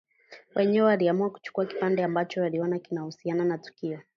Waenyewe waliamua kuchukua kipande ambacho waliona kinahusiana na tukio